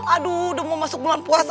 aduh udah mau masuk bulan puasa